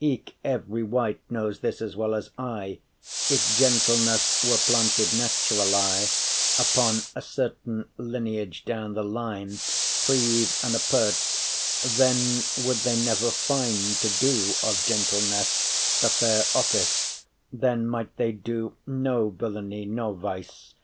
Eke every wight knows this as well as I, If gentleness were planted naturally Unto a certain lineage down the line, Prive and apert, then would they never fine* *cease To do of gentleness the fair office Then might they do no villainy nor vice.